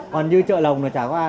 còn như chợ lồng là chả có ai